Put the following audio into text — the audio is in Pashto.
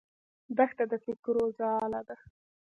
دښته د فکرو ځاله ده.